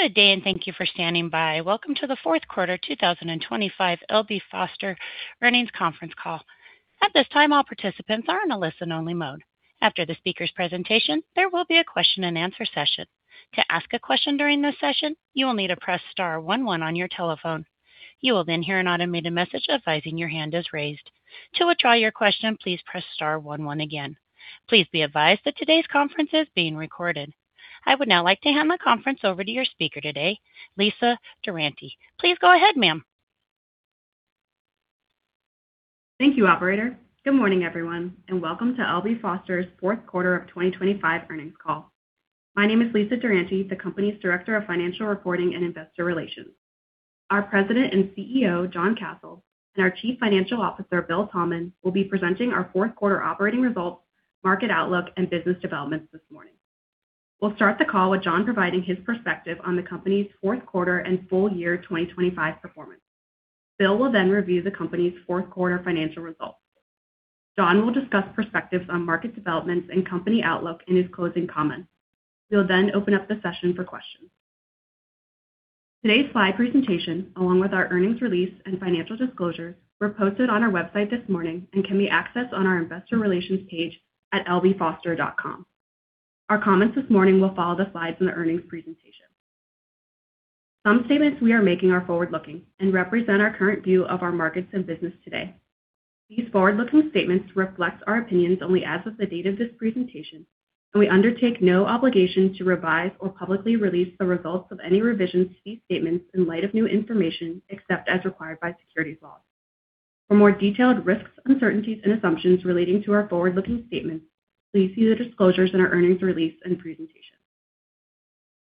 Good day, and thank you for standing by. Welcome to the fourth quarter 2025 L.B. Foster Earnings Conference Call. At this time, all participants are in a listen-only mode. After the speaker's presentation, there will be a question-and-answer session. To ask a question during this session, you will need to press star one one on your telephone. You will then hear an automated message advising your hand is raised. To withdraw your question, please press star one one again. Please be advised that today's conference is being recorded. I would now like to hand the conference over to your speaker today, Lisa Durante. Please go ahead, ma'am. Thank you, operator. Good morning, everyone, and welcome to L.B. Foster's fourth quarter of 2025 earnings call. My name is Lisa Durante, the company's Director of Financial Reporting and Investor Relations. Our President and CEO, John Kasel, and our Chief Financial Officer, Bill Thalman, will be presenting our fourth quarter operating results, market outlook, and business developments this morning. We'll start the call with John providing his perspective on the company's fourth quarter and full year 2025 performance. Bill will then review the company's fourth quarter financial results. John will discuss perspectives on market developments and company outlook in his closing comments. We'll then open up the session for questions. Today's slide presentation, along with our earnings release and financial disclosures, were posted on our website this morning and can be accessed on our investor relations page at lbfoster.com. Our comments this morning will follow the slides in the earnings presentation. Some statements we are making are forward-looking and represent our current view of our markets and business today. These forward-looking statements reflect our opinions only as of the date of this presentation, and we undertake no obligation to revise or publicly release the results of any revisions to these statements in light of new information, except as required by securities laws. For more detailed risks, uncertainties, and assumptions relating to our forward-looking statements, please see the disclosures in our earnings release and presentation.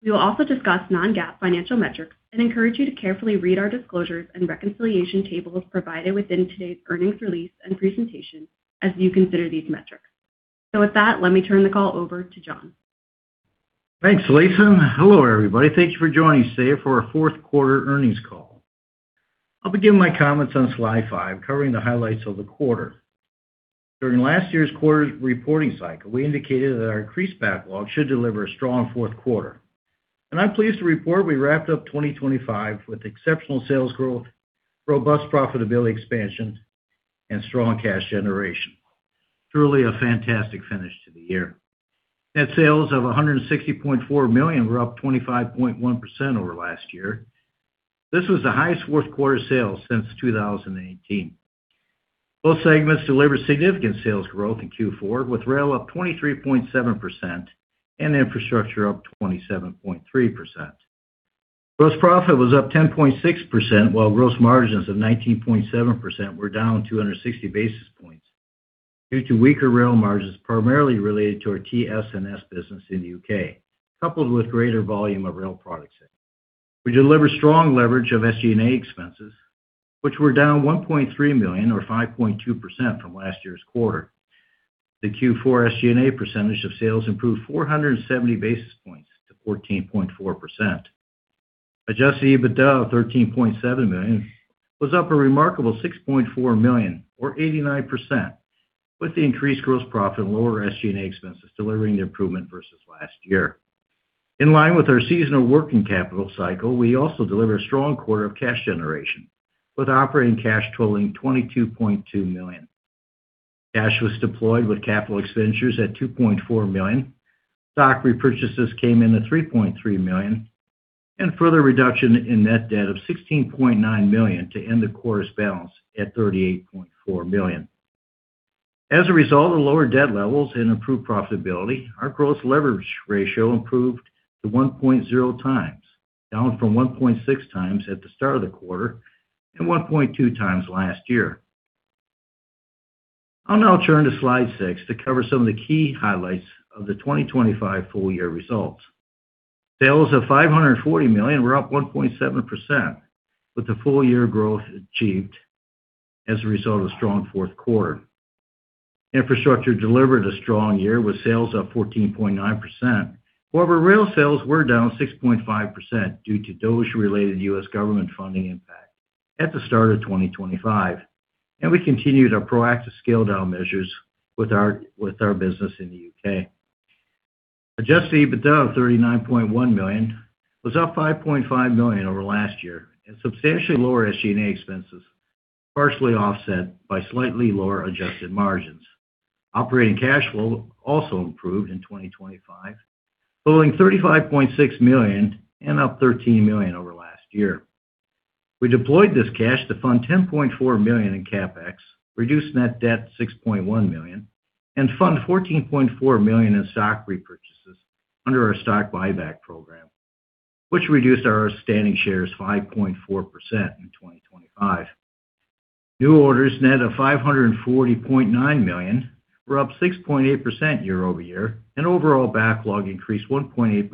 We will also discuss non-GAAP financial metrics and encourage you to carefully read our disclosures and reconciliation tables provided within today's earnings release and presentation as you consider these metrics. With that, let me turn the call over to John. Thanks, Lisa. Hello, everybody. Thank you for joining us today for our fourth quarter earnings call. I'll begin my comments on slide five, covering the highlights of the quarter. During last year's quarter's reporting cycle, we indicated that our increased backlog should deliver a strong fourth quarter, and I'm pleased to report we wrapped up 2025 with exceptional sales growth, robust profitability expansion, and strong cash generation. Truly a fantastic finish to the year. Net sales of $160.4 million were up 25.1% over last year. This was the highest fourth quarter sales since 2018. Both segments delivered significant sales growth in Q4, with rail up 23.7% and infrastructure up 27.3%. Gross profit was up 10.6%, while gross margins of 19.7 were down 260 basis points due to weaker rail margins, primarily related to our TS&S business in the U.K., coupled with greater volume of rail product sales. We delivered strong leverage of SG&A expenses, which were down $1.3 million or 5.2% from last year's quarter. The Q4 SG&A percentage of sales improved 470 basis points to 14.4%. Adjusted EBITDA of $13.7 million was up a remarkable $6.4 million or 89%, with the increased gross profit and lower SG&A expenses delivering the improvement versus last year. In line with our seasonal working capital cycle, we also delivered a strong quarter of cash generation, with operating cash totaling $22.2 million. Cash was deployed with capital expenditures at $2.4 million. Stock repurchases came in at $3.3 million and further reduction in net debt of $16.9 million to end the quarter's balance at $38.4 million. As a result of lower debt levels and improved profitability, our gross leverage ratio improved to 1.0x, down from 1.6x at the start of the quarter and 1.2x last year. I'll now turn to slide six to cover some of the key highlights of the 2025 full year results. Sales of $540 million were up 1.7%, with the full year growth achieved as a result of strong fourth quarter. Infrastructure delivered a strong year with sales up 14.9%. Rail sales were down 6.5% due to those related U.S. government funding impact at the start of 2025. We continued our proactive scale down measures with our business in the U.K. Adjusted EBITDA of $39.1 million was up $5.5 million over last year and substantially lower SG&A expenses, partially offset by slightly lower adjusted margins. Operating cash flow also improved in 2025, totaling $35.6 million and up $13 million over last year. We deployed this cash to fund $10.4 million in CapEx, reduce net debt $6.1 million, and fund $14.4 million in stock repurchases under our stock buyback program, which reduced our outstanding shares 5.4% in 2025. New orders net of $540.9 million were up 6.8% year-over-year, and overall backlog increased 1.8%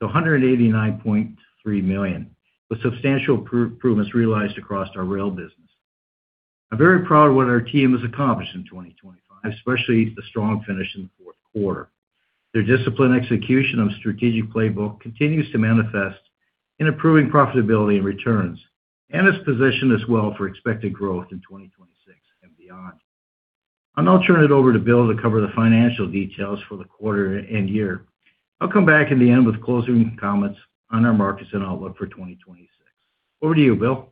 to $189.3 million, with substantial improvements realized across our rail business. I'm very proud of what our team has accomplished in 2025, especially the strong finish in the fourth quarter. Their disciplined execution of strategic playbook continues to manifest in improving profitability and returns, and has positioned us well for expected growth in 2026 and beyond. I'll turn it over to Bill to cover the financial details for the quarter and year. I'll come back in the end with closing comments on our markets and outlook for 2026. Over to you, Bill.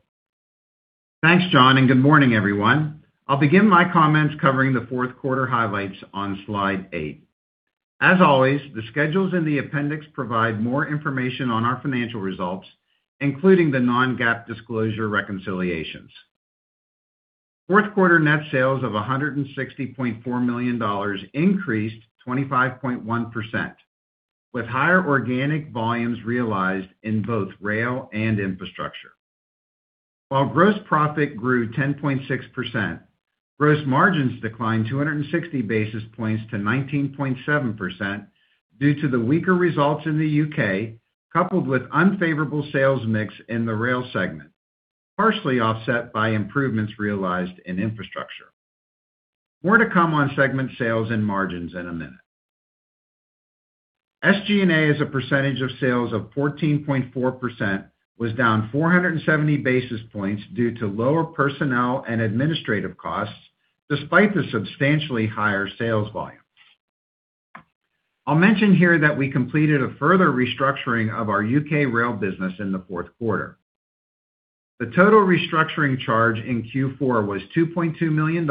Thanks, John. Good morning, everyone. I'll begin my comments covering the fourth quarter highlights on slide eight. As always, the schedules in the appendix provide more information on our financial results, including the non-GAAP disclosure reconciliations. Fourth quarter net sales of $160.4 million increased 25.1% with higher organic volumes realized in both rail and infrastructure. While gross profit grew 10.6%, gross margins declined 260 basis points to 19.7% due to the weaker results in the U.K., coupled with unfavorable sales mix in the rail segment, partially offset by improvements realized in infrastructure. More to come on segment sales and margins in a minute. SG&A as a percentage of sales of 14.4% was down 470 basis points due to lower personnel and administrative costs despite the substantially higher sales volumes. I'll mention here that we completed a further restructuring of our U.K. rail business in the fourth quarter. The total restructuring charge in Q4 was $2.2 million,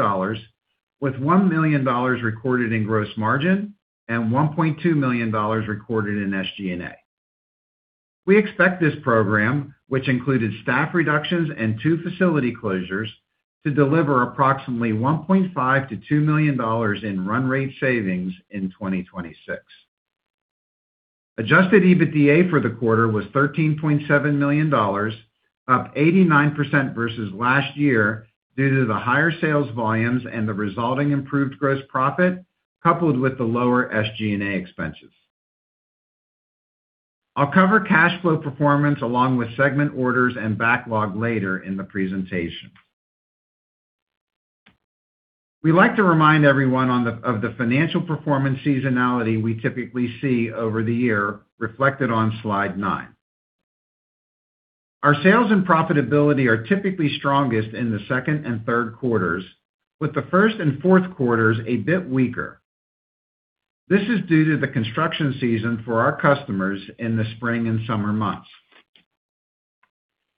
with $1 million recorded in gross margin and $1.2 million recorded in SG&A. We expect this program, which included staff reductions and two facility closures, to deliver approximately $1.5 million-$2 million in run-rate savings in 2026. Adjusted EBITDA for the quarter was $13.7 million, up 89% versus last year due to the higher sales volumes and the resulting improved gross profit, coupled with the lower SG&A expenses. I'll cover cash flow performance along with segment orders and backlog later in the presentation. We like to remind everyone of the financial performance seasonality we typically see over the year reflected on slide nine. Our sales and profitability are typically strongest in the second and third quarters, with the first and fourth quarters a bit weaker. This is due to the construction season for our customers in the spring and summer months.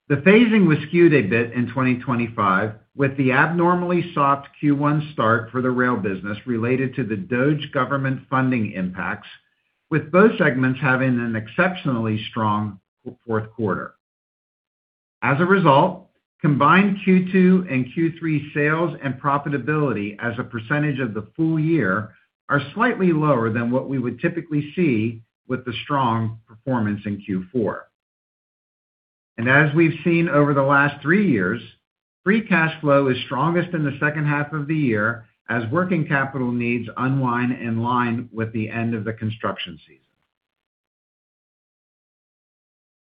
The phasing was skewed a bit in 2025, with the abnormally soft Q1 start for the rail business related to the DOGE government funding impacts, with both segments having an exceptionally strong fourth quarter. Combined Q2 and Q3 sales and profitability as a percentage of the full year are slightly lower than what we would typically see with the strong performance in Q4. As we've seen over the last three years, free cash flow is strongest in the second half of the year as working capital needs unwind in line with the end of the construction season.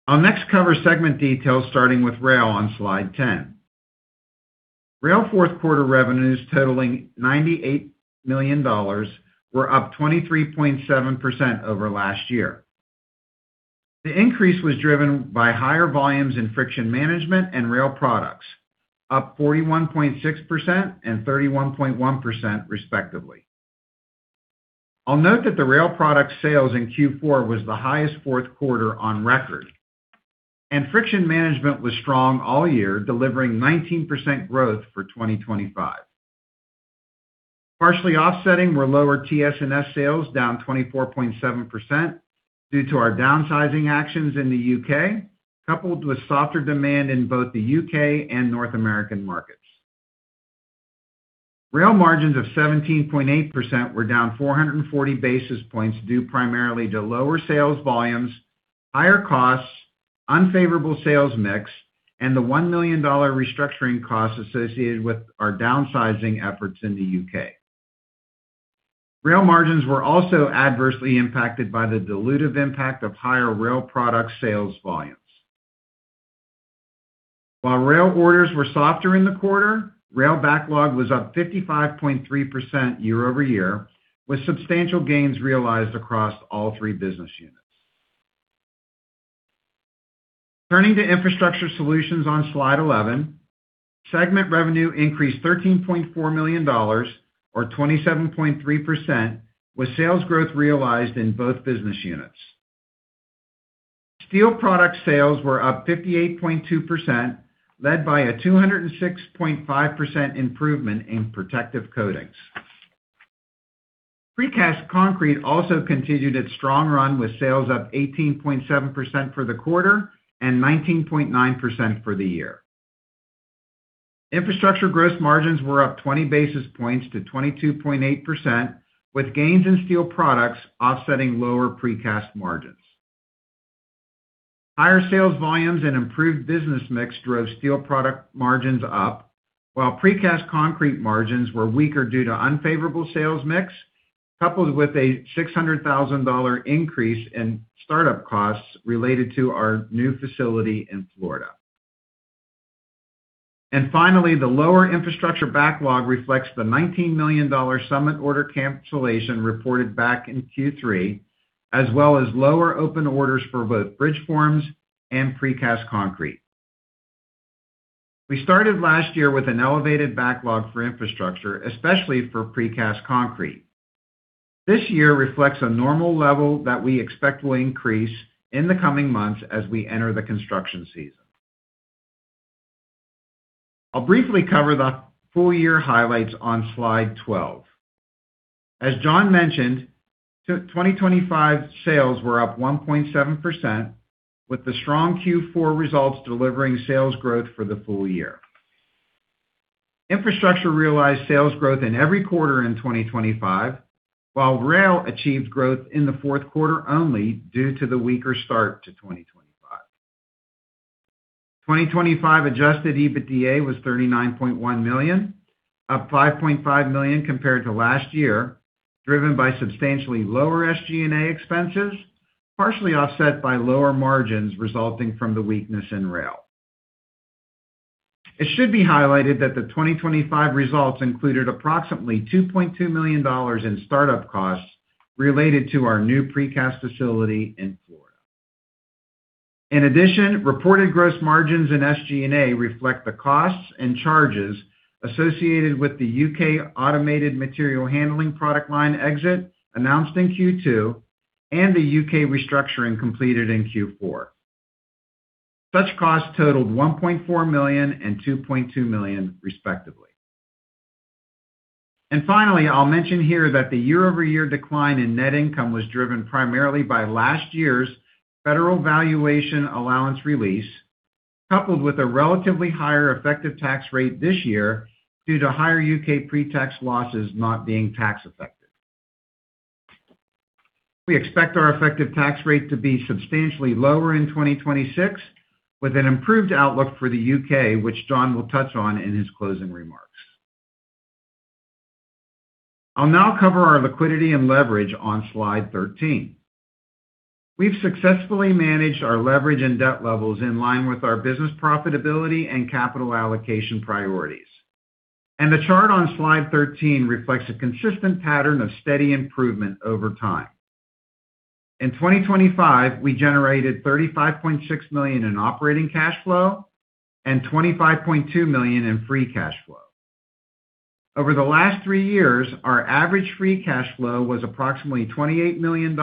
I'll next cover segment details starting with rail on slide 10. Rail fourth quarter revenues totaling $98 million were up 23.7% over last year. The increase was driven by higher volumes in Friction Management and rail products, up 41.6% and 31.1% respectively. I'll note that the rail product sales in Q4 was the highest fourth quarter on record, and Friction Management was strong all year, delivering 19% growth for 2025. Partially offsetting were lower TS&S sales down 24.7% due to our downsizing actions in the U.K., coupled with softer demand in both the U.K. and North American markets. Rail margins of 17.8% were down 440 basis points, due primarily to lower sales volumes, higher costs, unfavorable sales mix, and the $1 million restructuring costs associated with our downsizing efforts in the U.K. Rail margins were also adversely impacted by the dilutive impact of higher rail product sales volumes. While rail orders were softer in the quarter, rail backlog was up 55.3% year-over-year, with substantial gains realized across all three business units. Turning to infrastructure solutions on slide 11, segment revenue increased $13.4 million, or 27.3%, with sales growth realized in both business units. Steel product sales were up 58.2%, led by a 206.5% improvement in Protective Coatings. Precast Concrete also continued its strong run, with sales up 18.7% for the quarter and 19.9% for the year. Infrastructure gross margins were up 20 basis points to 22.8%, with gains in steel products offsetting lower precast margins. Higher sales volumes and improved business mix drove steel product margins up, while Precast Concrete margins were weaker due to unfavorable sales mix, coupled with a $600,000 increase in startup costs related to our new facility in Florida. Finally, the lower infrastructure backlog reflects the $19 million Summit order cancellation reported back in Q3, as well as lower open orders for both bridge forms and Precast Concrete. We started last year with an elevated backlog for infrastructure, especially for Precast Concrete. This year reflects a normal level that we expect will increase in the coming months as we enter the construction season. I'll briefly cover the full year highlights on slide 12. As John mentioned, 2025 sales were up 1.7% with the strong Q4 results delivering sales growth for the full year. Infrastructure realized sales growth in every quarter in 2025, while rail achieved growth in the fourth quarter only due to the weaker start to 2025. 2025 adjusted EBITDA was $39.1 million, up $5.5 million compared to last year, driven by substantially lower SG&A expenses, partially offset by lower margins resulting from the weakness in rail. It should be highlighted that the 2025 results included approximately $2.2 million in startup costs related to our new precast facility in Florida. In addition, reported gross margins in SG&A reflect the costs and charges associated with the U.K. automated material handling product line exit announced in Q2 and the U.K. restructuring completed in Q4. Such costs totaled $1.4 million and $2.2 million, respectively. Finally, I'll mention here that the year-over-year decline in net income was driven primarily by last year's federal valuation allowance release, coupled with a relatively higher effective tax rate this year due to higher U.K. pre-tax losses not being tax effective. We expect our effective tax rate to be substantially lower in 2026, with an improved outlook for the U.K., which John will touch on in his closing remarks. I'll now cover our liquidity and leverage on slide 13. We've successfully managed our leverage and debt levels in line with our business profitability and capital allocation priorities. The chart on slide 13 reflects a consistent pattern of steady improvement over time. In 2025, we generated $35.6 million in operating cash flow and $25.2 million in free cash flow. Over the last three years, our average free cash flow was approximately $28 million,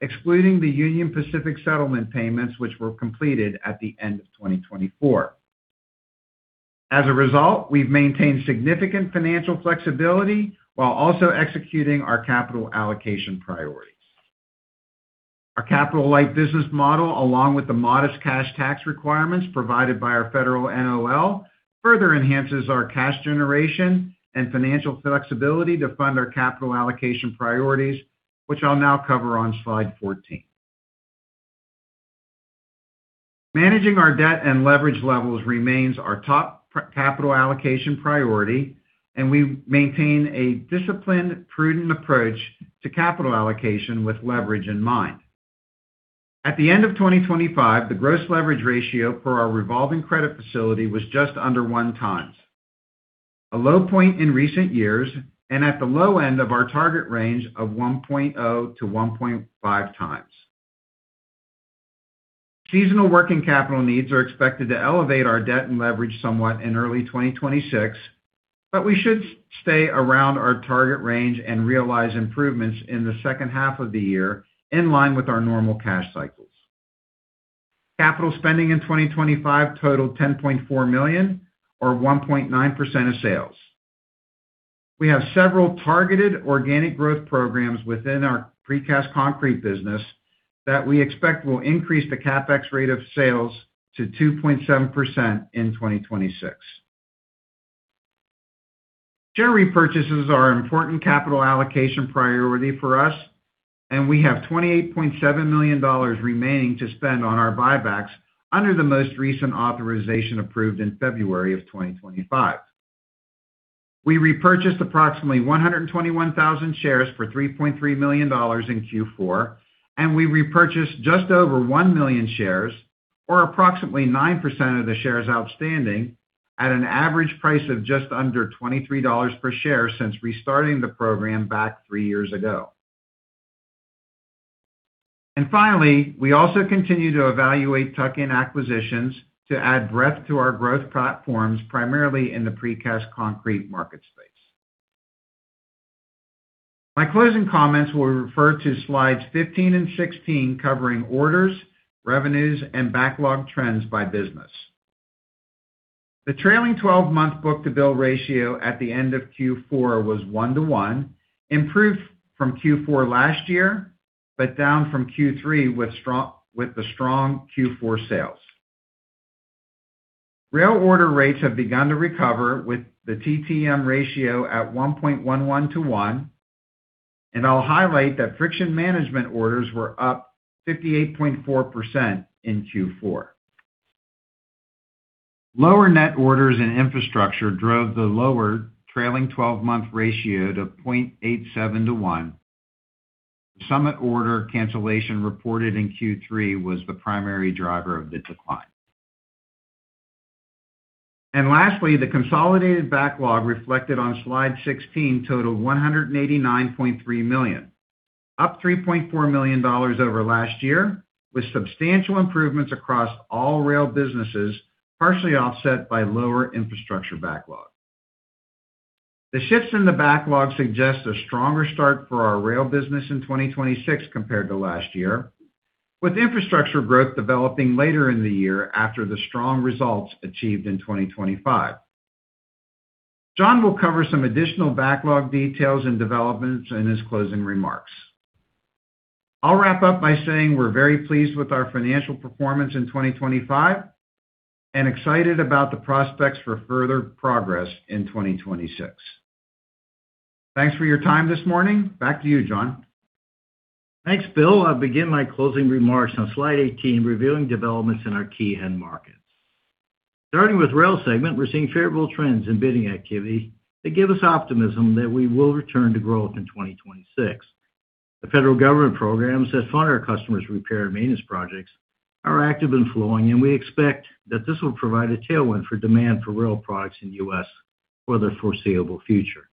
excluding the Union Pacific settlement payments, which were completed at the end of 2024. As a result, we've maintained significant financial flexibility while also executing our capital allocation priorities. Our capital-light business model, along with the modest cash tax requirements provided by our federal NOL, further enhances our cash generation and financial flexibility to fund our capital allocation priorities, which I'll now cover on slide 14. Managing our debt and leverage levels remains our top capital allocation priority, and we maintain a disciplined, prudent approach to capital allocation with leverage in mind. At the end of 2025, the gross leverage ratio for our revolving credit facility was just under 1x, a low point in recent years and at the low end of our target range of 1.0x-1.5x. Seasonal working capital needs are expected to elevate our debt and leverage somewhat in early 2026, but we should stay around our target range and realize improvements in the second half of the year in line with our normal cash cycles. Capital spending in 2025 totaled $10.4 million or 1.9% of sales. We have several targeted organic growth programs within our Precast Concrete business that we expect will increase the CapEx rate of sales to 2.7% in 2026. Share repurchases are an important capital allocation priority for us, and we have $28.7 million remaining to spend on our buybacks under the most recent authorization approved in February of 2025. We repurchased approximately 121,000 shares for $3.3 million in Q4, and we repurchased just over 1 million shares or approximately 9% of the shares outstanding at an average price of just under $23 per share since restarting the program back three years ago. Finally, we also continue to evaluate tuck-in acquisitions to add breadth to our growth platforms, primarily in the Precast Concrete market space. My closing comments will refer to slides 15 and 16, covering orders, revenues, and backlog trends by business. The trailing 12-month book-to-bill ratio at the end of Q4 was 1:1, improved from Q4 last year, but down from Q3 with the strong Q4 sales. Rail order rates have begun to recover with the TTM ratio at 1.11:1. I'll highlight that Friction Management orders were up 58.4% in Q4. Lower net orders in infrastructure drove the lower trailing 12-month ratio to 0.87:1. Summit order cancellation reported in Q3 was the primary driver of the decline. Lastly, the consolidated backlog reflected on slide 16 totaled $189.3 million. Up $3.4 million over last year, with substantial improvements across all rail businesses, partially offset by lower infrastructure backlog. The shifts in the backlog suggest a stronger start for our rail business in 2026 compared to last year, with infrastructure growth developing later in the year after the strong results achieved in 2025. John will cover some additional backlog details and developments in his closing remarks. I'll wrap up by saying we're very pleased with our financial performance in 2025 and excited about the prospects for further progress in 2026. Thanks for your time this morning. Back to you, John. Thanks, Bill. I'll begin my closing remarks on slide 18, reviewing developments in our key end markets. Starting with rail segment, we're seeing favorable trends in bidding activity that give us optimism that we will return to growth in 2026. The federal government programs that fund our customers' repair and maintenance projects are active and flowing, and we expect that this will provide a tailwind for demand for rail products in U.S. for the foreseeable future.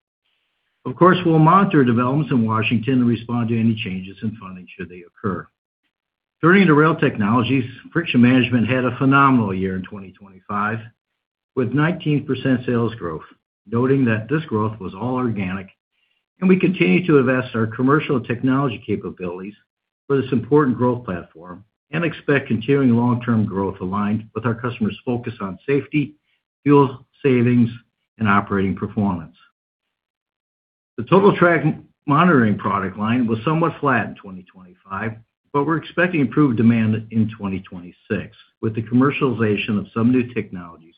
Of course, we'll monitor developments in Washington and respond to any changes in funding should they occur. Turning to rail technologies, Friction Management had a phenomenal year in 2025, with 19% sales growth, noting that this growth was all organic, and we continue to invest our commercial technology capabilities for this important growth platform and expect continuing long-term growth aligned with our customers' focus on safety, fuel savings, and operating performance. The Total Track Monitoring product line was somewhat flat in 2025, but we're expecting improved demand in 2026, with the commercialization of some new technologies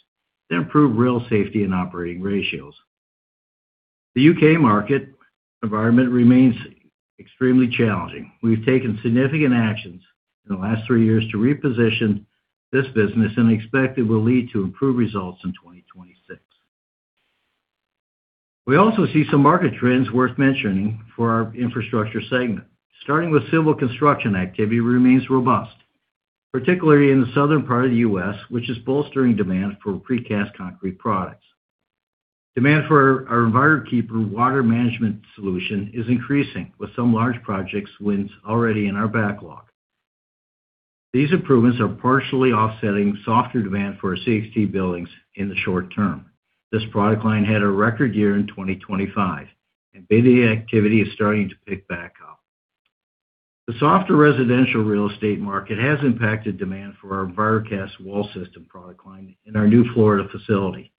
to improve rail safety and operating ratios. The U.K. market environment remains extremely challenging. We've taken significant actions in the last three years to reposition this business and expect it will lead to improved results in 2026. We also see some market trends worth mentioning for our infrastructure segment. Starting with civil construction, activity remains robust, particularly in the southern part of the U.S., which is bolstering demand for Precast Concrete products. Demand for our Envirokeeper water management solution is increasing, with some large projects wins already in our backlog. These improvements are partially offsetting softer demand for our CXT buildings in the short term. This product line had a record year in 2025. Bidding activity is starting to pick back up. The softer residential real estate market has impacted demand for our Envirocast wall system product line in our new Florida facility.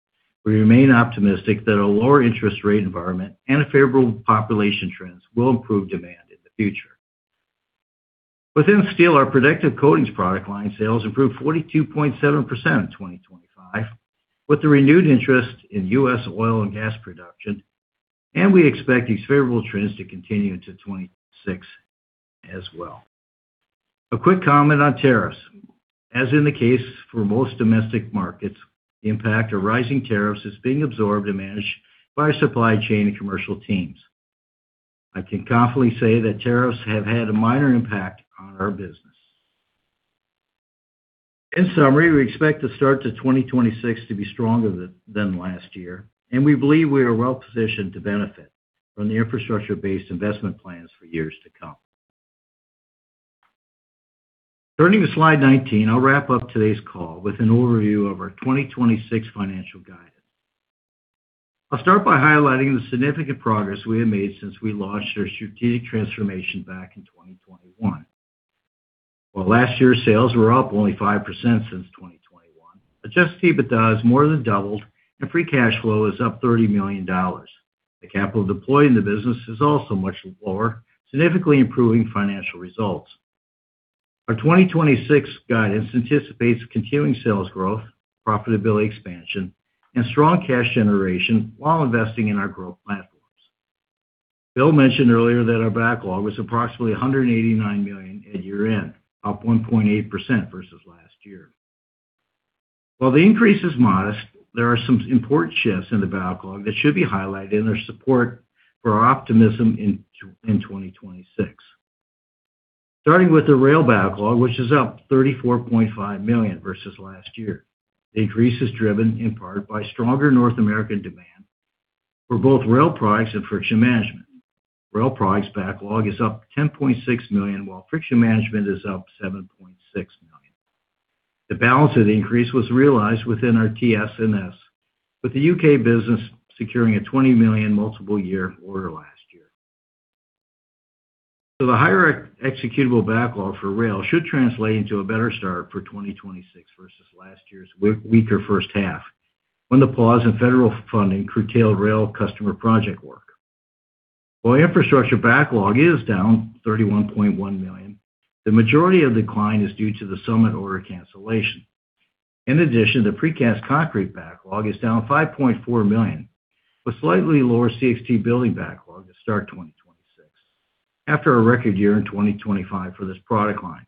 We remain optimistic that a lower interest rate environment and a favorable population trends will improve demand in the future. Within steel, our Protective Coatings product line sales improved 42.7% in 2025, with the renewed interest in U.S. oil and gas production. We expect these favorable trends to continue into 2026 as well. A quick comment on tariffs. As in the case for most domestic markets, the impact of rising tariffs is being absorbed and managed by supply chain and commercial teams. I can confidently say that tariffs have had a minor impact on our business. In summary, we expect the start to 2026 to be stronger than last year. We believe we are well positioned to benefit from the infrastructure-based investment plans for years to come. Turning to slide 19, I'll wrap up today's call with an overview of our 2026 financial guidance. I'll start by highlighting the significant progress we have made since we launched our strategic transformation back in 2021. While last year's sales were up only 5% since 2021, adjusted EBITDA has more than doubled and free cash flow is up $30 million. The capital deployed in the business is also much lower, significantly improving financial results. Our 2026 guidance anticipates continuing sales growth, profitability expansion, and strong cash generation while investing in our growth platforms. Bill mentioned earlier that our backlog was approximately $189 million at year-end, up 1.8% versus last year. While the increase is modest, there are some important shifts in the backlog that should be highlighted in their support for our optimism in 2026. Starting with the rail backlog, which is up $34.5 million versus last year. The increase is driven in part by stronger North American demand for both rail products and Friction Management. Rail products backlog is up $10.6 million, while Friction Management is up $7.6 million. The balance of the increase was realized within our TS&S, with the U.K. business securing a $20 million multiple year order last year. The higher executable backlog for rail should translate into a better start for 2026 versus last year's weaker first half when the pause in federal funding curtailed rail customer project work. While infrastructure backlog is down $31.1 million, the majority of decline is due to the Summit order cancellation. In addition, the Precast Concrete backlog is down $5.4 million, with slightly lower CXT building backlog to start 2026 after a record year in 2025 for this product line.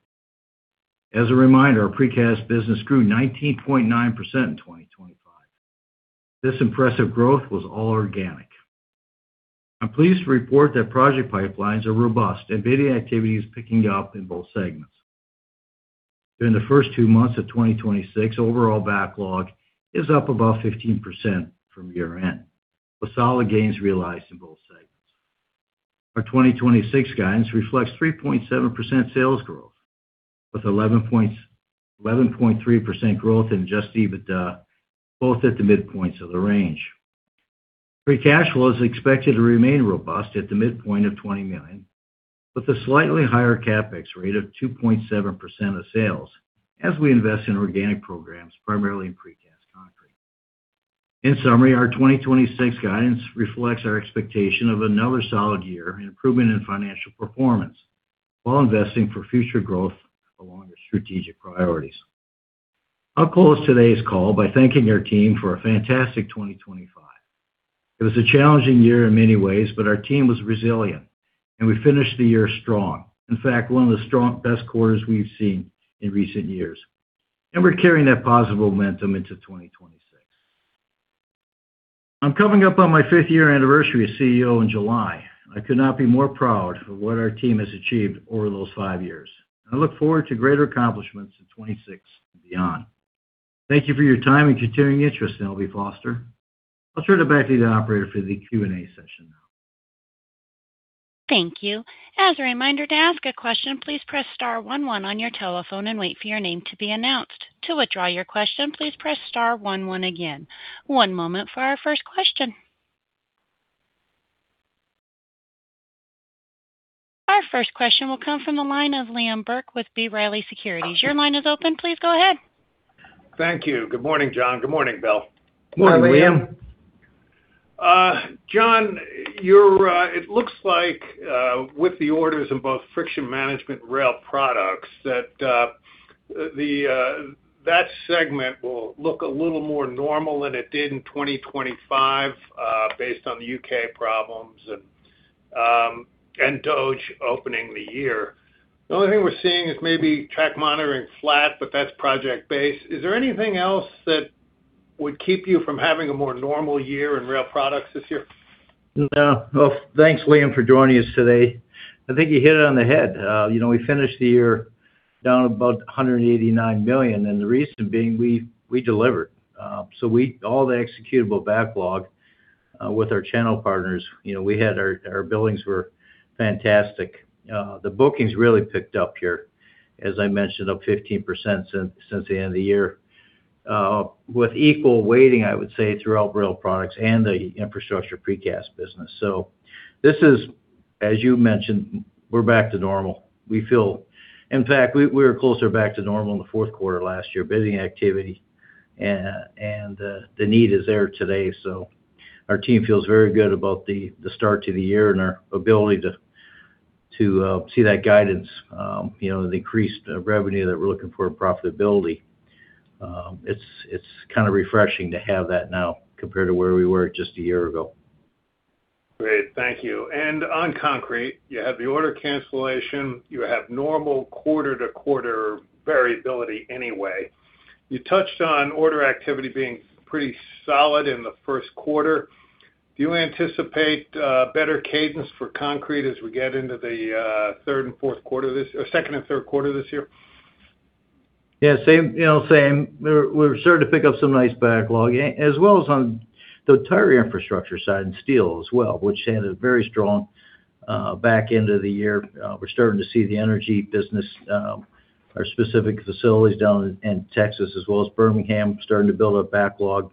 As a reminder, our precast business grew 19.9% in 2025. This impressive growth was all organic. I'm pleased to report that project pipelines are robust and bidding activity is picking up in both segments. During the first two months of 2026, overall backlog is up about 15% from year-end, with solid gains realized in both segments. Our 2026 guidance reflects 3.7% sales growth, with 11.3% growth in adjusted EBITDA, both at the midpoints of the range. Free cash flow is expected to remain robust at the midpoint of $20 million, with a slightly higher CapEx rate of 2.7% of sales as we invest in organic programs, primarily in Precast Concrete. In summary, our 2026 guidance reflects our expectation of another solid year in improvement in financial performance while investing for future growth along our strategic priorities. I'll close today's call by thanking our team for a fantastic 2025. It was a challenging year in many ways, but our team was resilient, and we finished the year strong. In fact, one of the best quarters we've seen in recent years. We're carrying that positive momentum into 2026. I'm coming up on my fifth year anniversary as CEO in July. I could not be more proud of what our team has achieved over those five years. I look forward to greater accomplishments in 2026 and beyond. Thank you for your time and continuing interest in L.B. Foster. I'll turn it back to the operator for the Q&A session now. Thank you. As a reminder to ask a question, please press star one one on your telephone and wait for your name to be announced. To withdraw your question, please press star one one again. One moment for our first question. Our first question will come from the line of Liam Burke with B. Riley Securities. Your line is open. Please go ahead. Thank you. Good morning, John. Good morning, Bill. Morning, Liam. John, you're it looks like with the orders in both Friction Management rail products that the that segment will look a little more normal than it did in 2025, based on the U.K. problems and DOGE opening the year. The only thing we're seeing is maybe track monitoring flat, but that's project-based. Is there anything else that would keep you from having a more normal year in rail products this year? No. Well, thanks, Liam, for joining us today. I think you hit it on the head. You know, we finished the year down about $189 million. The reason being we delivered. All the executable backlog, with our channel partners, you know, we had our billings were fantastic. The bookings really picked up here, as I mentioned, up 15% since the end of the year, with equal weighting, I would say, through our rail products and the infrastructure precast business. This is, as you mentioned, we're back to normal. We feel, in fact, we were closer back to normal in the fourth quarter last year, bidding activity and the need is there today. Our team feels very good about the start to the year and our ability to see that guidance, you know, the increased revenue that we're looking for in profitability. It's kind of refreshing to have that now compared to where we were just a year ago. Great. Thank you. On concrete, you have the order cancellation, you have normal quarter-to-quarter variability anyway. You touched on order activity being pretty solid in the first quarter. Do you anticipate better cadence for concrete as we get into the third and fourth quarter or second and third quarter this year? Yeah, same, you know, same. We're starting to pick up some nice backlog as well as on the entire infrastructure side and steel as well, which had a very strong back end of the year. We're starting to see the energy business, our specific facilities down in Texas as well as Birmingham starting to build a backlog.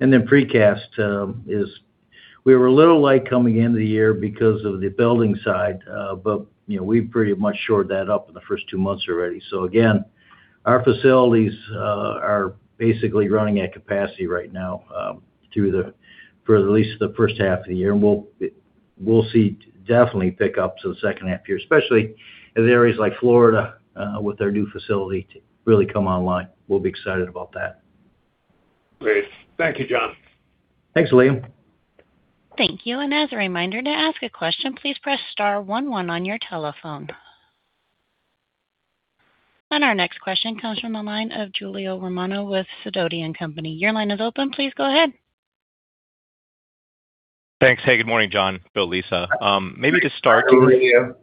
Precast is we were a little light coming into the year because of the building side, but, you know, we've pretty much shored that up in the first two months already. Again, our facilities are basically running at capacity right now, for at least the first half of the year. We'll see definitely pick up to the second half year, especially in areas like Florida, with our new facility to really come online. We'll be excited about that. Great. Thank you, John. Thanks, Liam. Thank you. As a reminder to ask a question, please press star one one on your telephone. Our next question comes from the line of Julio Romero with Sidoti & Company. Your line is open. Please go ahead. Thanks. Hey, good morning, John, Bill, Lisa. Maybe to start. Morning, Julio.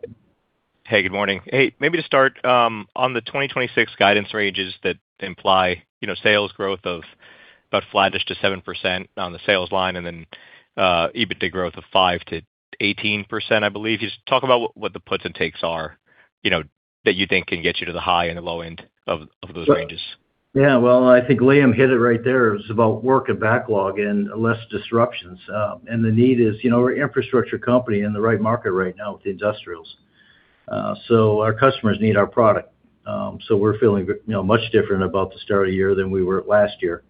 Hey, good morning. Hey, maybe to start, on the 2026 guidance ranges that imply, you know, sales growth of about flattish to 7% on the sales line and then, EBITDA growth of 5%-18%, I believe. Can you just talk about what the puts and takes are, you know, that you think can get you to the high and the low end of those ranges? Yeah. Well, I think Liam hit it right there. It's about work and backlog and less disruptions. The need is, you know, we're an infrastructure company in the right market right now with the industrials. Our customers need our product. We're feeling, you know, much different about the start of the year than we were last year.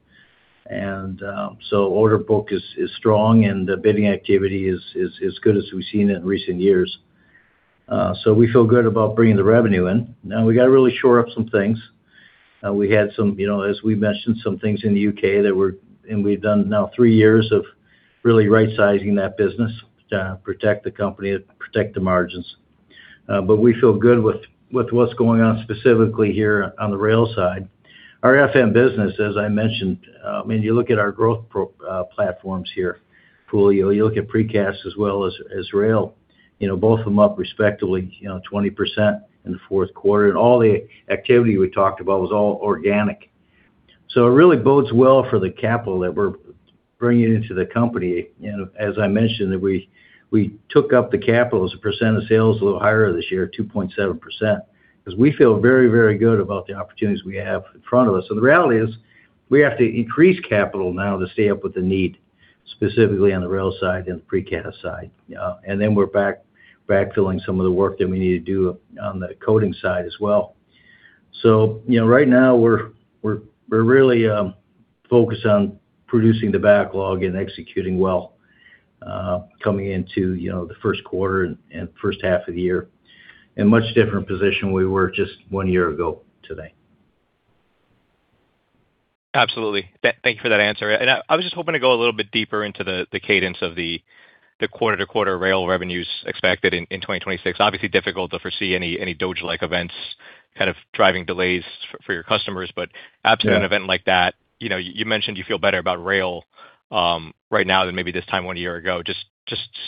Order book is strong and the bidding activity is good as we've seen it in recent years. We feel good about bringing the revenue in. Now we gotta really shore up some things. We had some, you know, as we mentioned, some things in the U.K. We've done now three years of really rightsizing that business to protect the company and protect the margins. We feel good with what's going on specifically here on the rail side. Our FM business, as I mentioned, when you look at our growth platforms here, Julio, you look at precast as well as rail, you know, both of them up respectively, you know, 20% in the fourth quarter. All the activity we talked about was all organic. It really bodes well for the capital that we're bringing into the company. You know, as I mentioned, that we took up the capital as a percent of sales a little higher this year, 2.7%, because we feel very, very good about the opportunities we have in front of us. The reality is we have to increase capital now to stay up with the need, specifically on the rail side and precast side. We're backfilling some of the work that we need to do on the coding side as well. You know, right now we're really focused on producing the backlog and executing well, coming into, you know, the first quarter and first half of the year. In much different position we were just one year ago today. Absolutely. Thank you for that answer. I was just hoping to go a little bit deeper into the cadence of the quarter-to-quarter rail revenues expected in 2026. Obviously difficult to foresee any DOGE-like events kind of driving delays for your customers. Yeah. -an event like that, you know, you mentioned you feel better about rail, right now than maybe this time one year ago. Just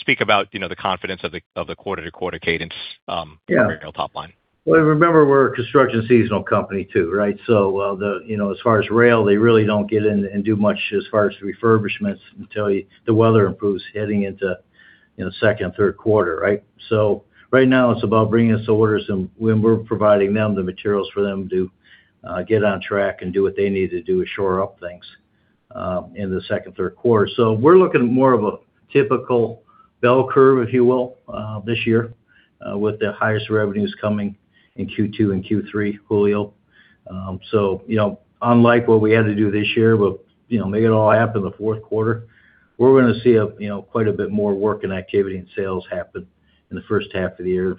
speak about, you know, the confidence of the quarter-to-quarter cadence. Yeah. on your rail top line. Well, remember we're a construction seasonal company too, right? You know, as far as rail, they really don't get in and do much as far as refurbishments until the weather improves heading into, you know, second and third quarter, right? Right now it's about bringing us orders and we're providing them the materials for them to get on track and do what they need to do to shore up things in the second, third quarter. We're looking at more of a typical bell curve, if you will, this year, with the highest revenues coming in Q2 and Q3, Julio. You know, unlike what we had to do this year, we'll, you know, make it all happen in the fourth quarter. We're gonna see a, you know, quite a bit more work and activity in sales happen in the first half of the year,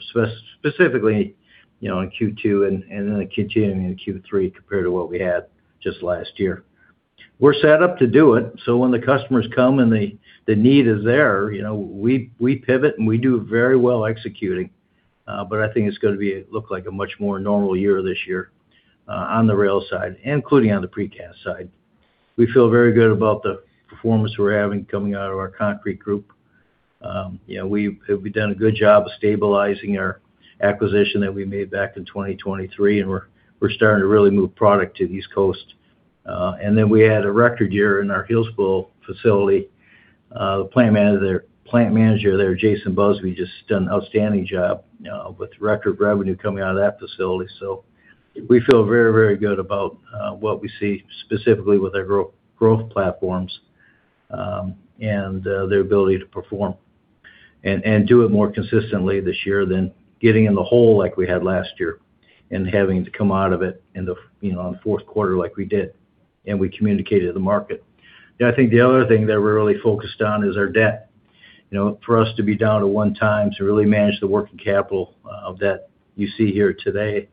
specifically, you know, in Q2 and then continuing in Q3 compared to what we had just last year. When the customers come and the need is there, you know, we pivot, and we do very well executing. I think it's gonna be look like a much more normal year this year, on the rail side, including on the precast side. We feel very good about the performance we're having coming out of our concrete group. You know, we've done a good job of stabilizing our acquisition that we made back in 2023, we're starting to really move product to the East Coast. We had a record year in our Hillsboro facility. The plant manager there, Jason Busby, just done an outstanding job, you know, with record revenue coming out of that facility. We feel very, very good about what we see specifically with our growth platforms, and their ability to perform and do it more consistently this year than getting in the hole like we had last year and having to come out of it on the fourth quarter like we did, and we communicated to the market. I think the other thing that we're really focused on is our debt. You know, for us to be down to one time to really manage the working capital of debt you see here today,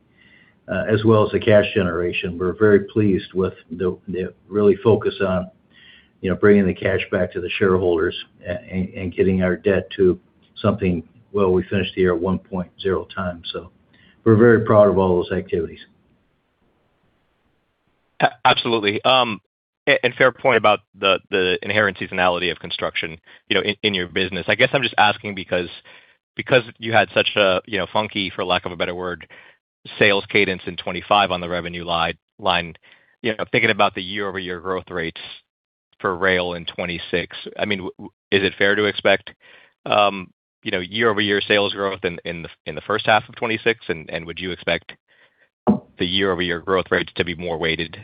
as well as the cash generation, we're very pleased with the really focus on, you know, bringing the cash back to the shareholders and getting our debt to something where we finish the year at 1.0x. We're very proud of all those activities. Absolutely, and fair point about the inherent seasonality of construction, you know, in your business. I guess I'm just asking because you had such a, you know, funky, for lack of a better word, sales cadence in 25 on the revenue line, you know, thinking about the year-over-year growth rates for rail in 26, I mean, is it fair to expect, you know, year-over-year sales growth in the, in the first half of 26? Would you expect the year-over-year growth rates to be more weighted,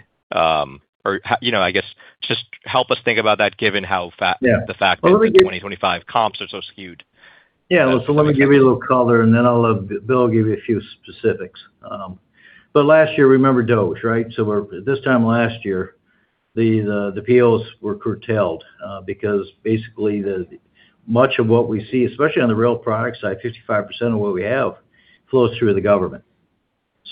or you know, I guess just help us think about that given how? Yeah. The fact that the 2025 comps are so skewed. Yeah. Let me give you a little color, and then I'll Bill will give you a few specifics. Last year, remember DOGE, right? This time last year, the POs were curtailed, because basically much of what we see, especially on the rail product side, 55% of what we have flows through the government.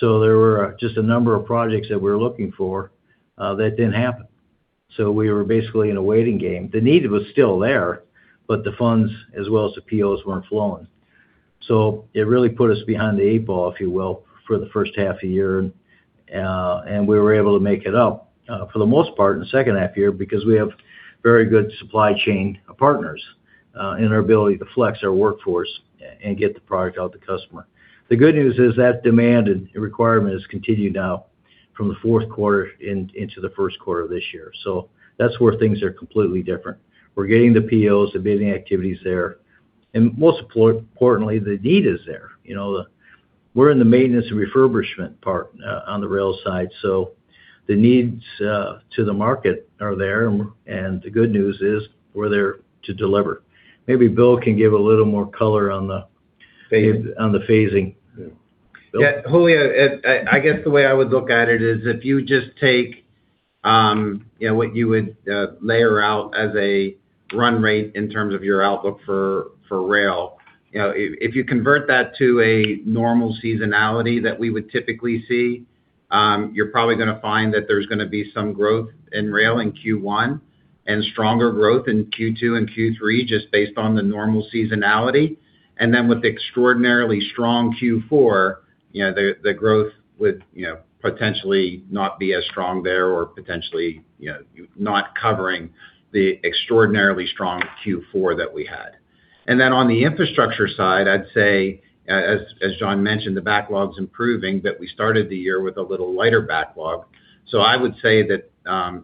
There were just a number of projects that we're looking for, that didn't happen. We were basically in a waiting game. The need was still there, but the funds as well as the POs weren't flowing. It really put us behind the eight ball, if you will, for the first half of the year. We were able to make it up, for the most part in the second half year because we have very good supply chain partners, and our ability to flex our workforce and get the product out to customer. The good news is that demand and requirement has continued now from the fourth quarter in, into the first quarter of this year. That's where things are completely different. We're getting the POs, the bidding activity is there, and most importantly, the need is there. You know, we're in the maintenance and refurbishment part on the rail side, so the needs to the market are there, and the good news is we're there to deliver. Maybe Bill can give a little more color on the- Phasing. on the phasing. Bill? Yeah. Julio Romero, I guess the way I would look at it is if you just take, you know, what you would layer out as a run rate in terms of your outlook for rail. You know, if you convert that to a normal seasonality that we would typically see, you're probably gonna find that there's gonna be some growth in rail in Q1. Stronger growth in Q2 and Q3 just based on the normal seasonality. With extraordinarily strong Q4, you know, the growth would, you know, potentially not be as strong there or potentially, you know, not covering the extraordinarily strong Q4 that we had. On the infrastructure side, I'd say, as John mentioned, the backlog's improving, but we started the year with a little lighter backlog. I would say that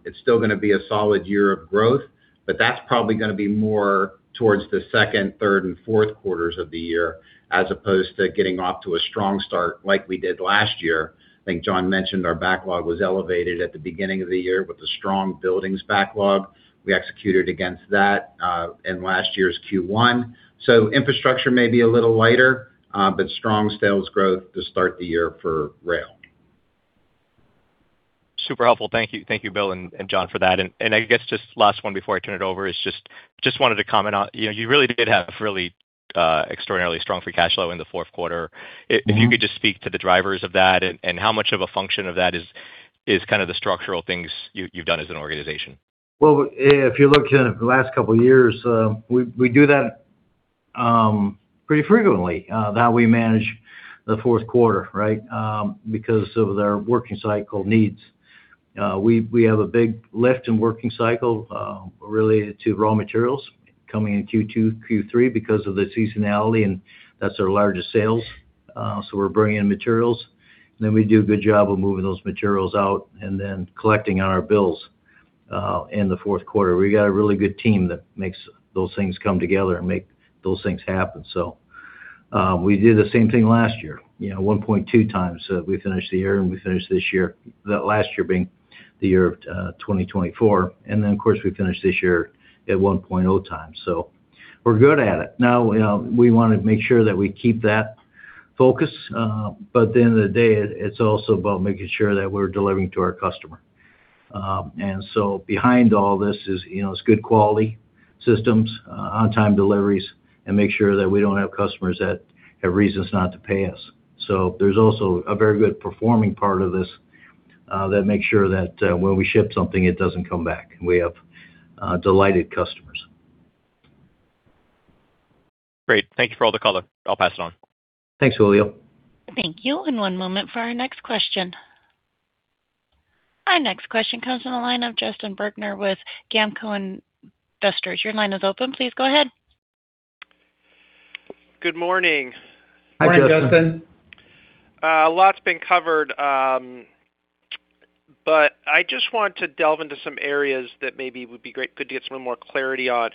it's still gonna be a solid year of growth, but that's probably gonna be more towards the second, third, and fourth quarters of the year as opposed to getting off to a strong start like we did last year. I think John mentioned our backlog was elevated at the beginning of the year with a strong buildings backlog. We executed against that in last year's Q1. Infrastructure may be a little lighter, but strong sales growth to start the year for rail. Super helpful. Thank you. Thank you, Bill and John for that. I guess just last one before I turn it over is just wanted to comment on, you know, you really did have really extraordinarily strong free cash flow in the fourth quarter. Mm-hmm. If you could just speak to the drivers of that and how much of a function of that is kind of the structural things you've done as an organization. Well, if you look in the last couple of years, we do that pretty frequently, how we manage the fourth quarter, right? Because of their working cycle needs. We have a big lift in working cycle related to raw materials coming in Q2, Q3 because of the seasonality, and that's our largest sales. We're bringing in materials. We do a good job of moving those materials out and then collecting on our bills in the fourth quarter. We got a really good team that makes those things come together and make those things happen. We did the same thing last year, you know, 1.2x, we finished the year and we finished this year. The last year being the year of 2024. Of course, we finished this year at 1.0x. We're good at it. We wanna make sure that we keep that focus. At the end of the day, it's also about making sure that we're delivering to our customer. Behind all this is, you know, it's good quality systems, on time deliveries, and make sure that we don't have customers that have reasons not to pay us. There's also a very good performing part of this that makes sure that when we ship something, it doesn't come back. We have delighted customers. Great. Thank you for all the color. I'll pass it on. Thanks, Julio. Thank you. One moment for our next question. Our next question comes on the line of Justin Bergner with GAMCO Investors. Your line is open. Please go ahead. Good morning. Hi, Justin. A lot's been covered, I just want to delve into some areas that maybe would be good to get some more clarity on.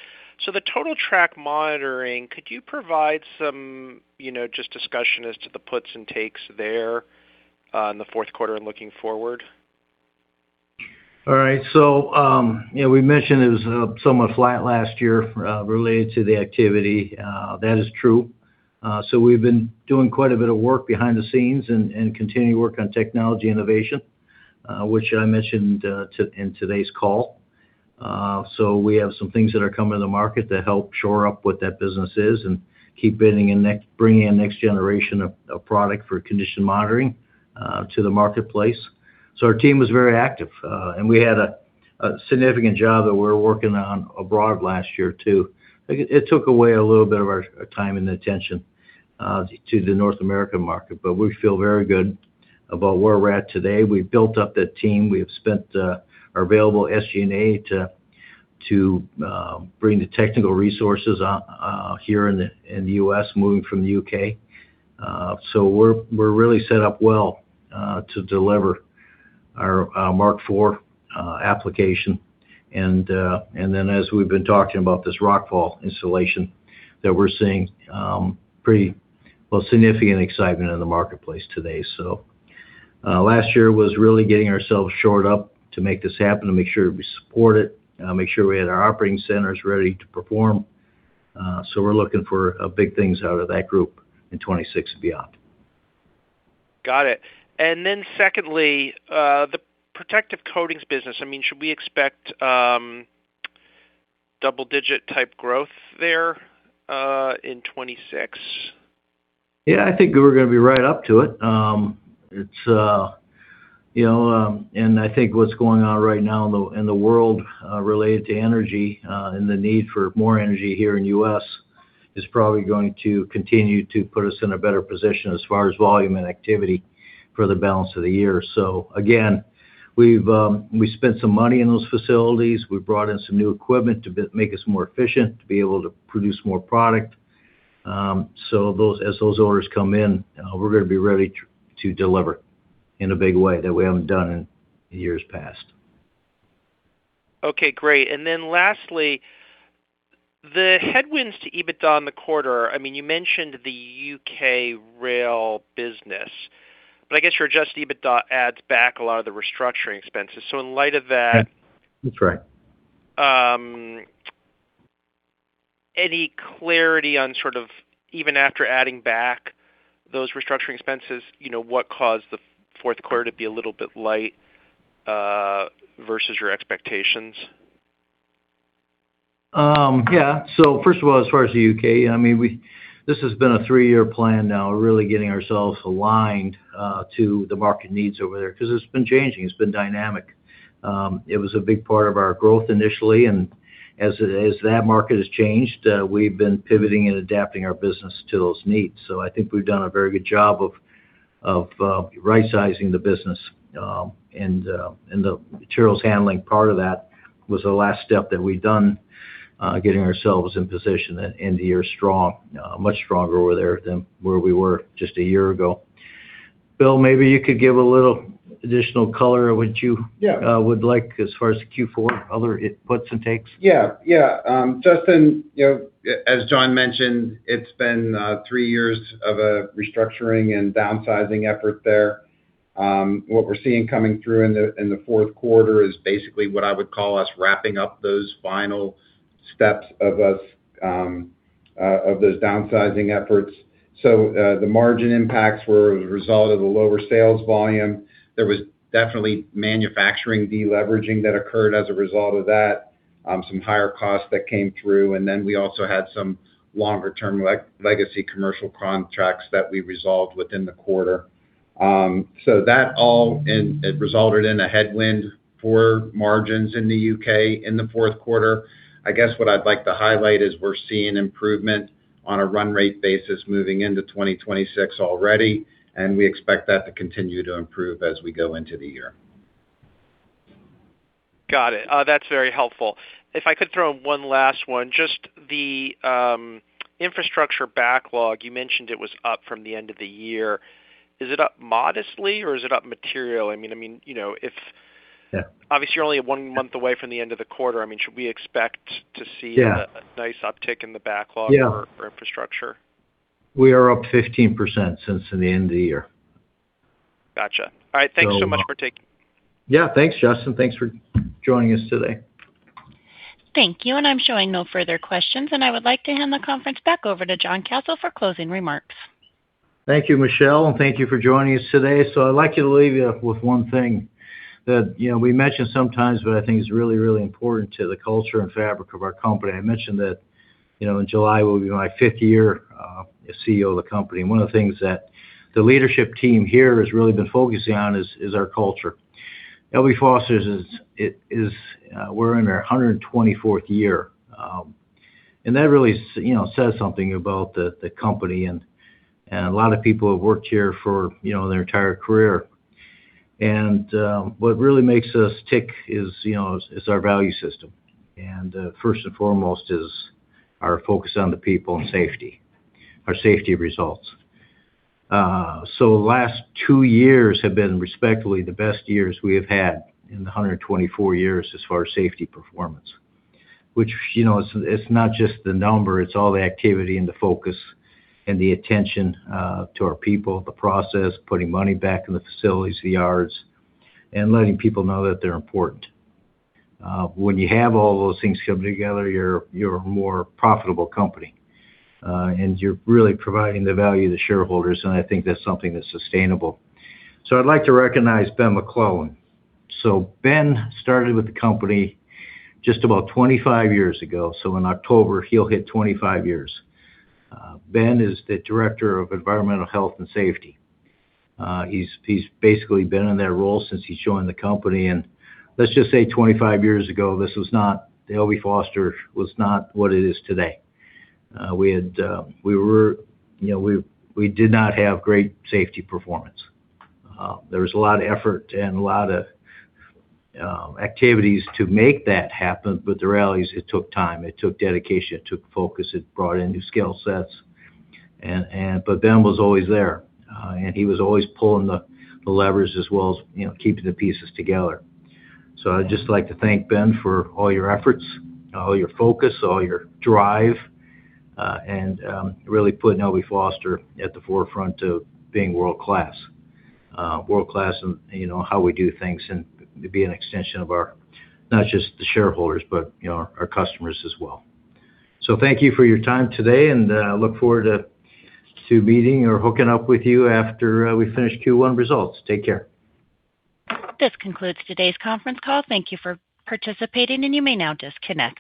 The Total Track Monitoring, could you provide some, you know, just discussion as to the puts and takes there, in the fourth quarter and looking forward? All right. You know, we mentioned it was somewhat flat last year related to the activity. That is true. We've been doing quite a bit of work behind the scenes and continue to work on technology innovation, which I mentioned in today's call. We have some things that are coming to the market to help shore up what that business is and keep bringing in next generation of product for condition monitoring to the marketplace. Our team was very active and we had a significant job that we were working on abroad last year, too. It took away a little bit of our time and attention to the North American market. We feel very good about where we're at today. We've built up that team. We have spent our available SG&A to bring the technical resources out here in the U.S., moving from the U.K. We're really set up well to deliver our Mark IV application. As we've been talking about this rockfall installation that we're seeing, pretty, well, significant excitement in the marketplace today. Last year was really getting ourselves shored up to make this happen and make sure we support it, make sure we had our operating centers ready to perform. We're looking for big things out of that group in 2026 and beyond. Got it. Secondly, the Protective Coatings business, I mean, should we expect double-digit type growth there in 2026? Yeah, I think we're gonna be right up to it. It's, you know, I think what's going on right now in the world related to energy and the need for more energy here in the U.S. is probably going to continue to put us in a better position as far as volume and activity for the balance of the year. Again, we've spent some money in those facilities. We brought in some new equipment to make us more efficient, to be able to produce more product. As those orders come in, we're gonna be ready to deliver in a big way that we haven't done in years past. Okay, great. Then lastly, the headwinds to EBITDA in the quarter, I mean, you mentioned the U.K. rail business, but I guess your adjusted EBITDA adds back a lot of the restructuring expenses. In light of that- Yeah. That's right.... any clarity on sort of even after adding back those restructuring expenses, you know, what caused the fourth quarter to be a little bit light, versus your expectations? Yeah. First of all, as far as the U.K., I mean, this has been a three-year plan now, really getting ourselves aligned to the market needs over there because it's been changing, it's been dynamic. It was a big part of our growth initially, as it is, that market has changed, we've been pivoting and adapting our business to those needs. I think we've done a very good job of rightsizing the business, and the materials handling part of that was the last step that we've done, getting ourselves in position at end of year strong, much stronger over there than where we were just a year ago. Bill, maybe you could give a little additional color or would you? Yeah. would like as far as Q4, other inputs and takes. Yeah. Yeah. Justin, you know, as John mentioned, it's been three years of restructuring and downsizing effort there. What we're seeing coming through in the fourth quarter is basically what I would call us wrapping up those final steps of us of those downsizing efforts. The margin impacts were as a result of the lower sales volume. There was definitely manufacturing de-leveraging that occurred as a result of that, some higher costs that came through. We also had some longer-term legacy commercial contracts that we resolved within the quarter. That all in resulted in a headwind for margins in the U.K. in the fourth quarter. I guess what I'd like to highlight is we're seeing improvement on a run-rate basis moving into 2026 already, and we expect that to continue to improve as we go into the year. Got it. That's very helpful. If I could throw in one last one, just the, infrastructure backlog, you mentioned it was up from the end of the year. Is it up modestly or is it up material? I mean, you know, Yeah. Obviously, you're only one month away from the end of the quarter. I mean, should we expect to see- Yeah. a nice uptick in the backlog. Yeah. for infrastructure? We are up 15% since the end of the year. Gotcha. All right. So, uh. Thanks so much for taking me. Yeah. Thanks, Justin. Thanks for joining us today. Thank you. I'm showing no further questions, I would like to hand the conference back over to John Kasel for closing remarks. Thank you, Michelle, and thank you for joining us today. I'd like you to leave you with one thing that, you know, we mention sometimes, but I think is really, really important to the culture and fabric of our company. I mentioned that, you know, in July will be my fifth year as CEO of the company. One of the things that the leadership team here has really been focusing on is our culture. L.B. Foster is, it is, we're in our 124th year. That really says, you know, something about the company and a lot of people have worked here for, you know, their entire career. What really makes us tick is, you know, is our value system. First and foremost is our focus on the people and safety, our safety results. The last two years have been respectfully the best years we have had in the 124 years as far as safety performance, which, you know, it's not just the number, it's all the activity and the focus and the attention to our people, the process, putting money back in the facilities, the yards, and letting people know that they're important. When you have all those things come together, you're a more profitable company, and you're really providing the value to shareholders, and I think that's something that's sustainable. I'd like to recognize Ben McClellan. Ben started with the company just about 25 years ago. In October, he'll hit 25 years. Ben is the Director of Environmental Health and Safety. He's basically been in that role since he joined the company. Let's just say 25 years ago, L.B. Foster was not what it is today. We had, we were, you know, we did not have great safety performance. There was a lot of effort and a lot of activities to make that happen, but the reality is it took time, it took dedication, it took focus, it brought in new skill sets. Ben was always there, and he was always pulling the levers as well as, you know, keeping the pieces together. I'd just like to thank Ben for all your efforts, all your focus, all your drive, and really putting L.B. Foster at the forefront of being world-class. world-class in, you know, how we do things and to be an extension of our, not just the shareholders, but, you know, our customers as well. Thank you for your time today, and look forward to meeting or hooking up with you after we finish Q1 results. Take care. This concludes today's conference call. Thank you for participating. You may now disconnect.